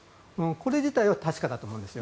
これ自体は確かだと思います。